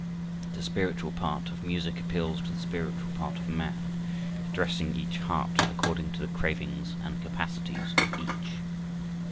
The spiritual part of music appeals to the spiritual part of man, addressing each heart according to the cravings and capacities of each.